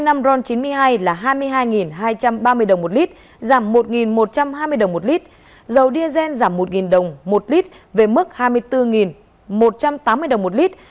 cụ thể sau điều chỉnh của liên bộ công thương tài chính mỗi lít xăng ron chín mươi năm giảm một hai mươi đồng một lít dầu diazen giảm một đồng một lít về mức hai mươi bốn một trăm tám mươi đồng một lít